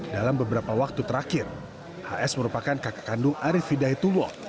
dalam beberapa waktu terakhir hs merupakan kakak kandung arif fiday tulu